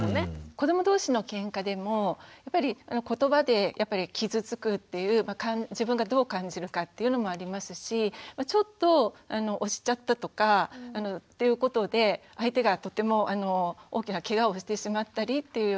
子ども同士のケンカでも言葉でやっぱり傷つくっていう自分がどう感じるかっていうのもありますしちょっと押しちゃったとかっていうことで相手がとても大きなケガをしてしまったりっていうようなことがありますし。